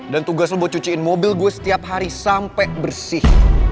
dan tugas lo buat cuciin mobil gue setiap hari sampai bersih